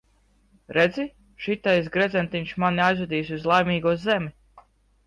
Redzi, šitais gredzentiņš mani aizvedīs uz Laimīgo zemi.